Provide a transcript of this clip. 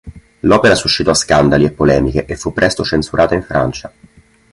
L'opera suscitò scandali e polemiche e fu presto censurata in Francia.